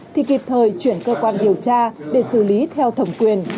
thì kịp thời chuyển cơ quan điều tra để xử lý theo thẩm quyền